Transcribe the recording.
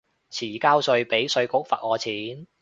遲交稅被稅局罰我錢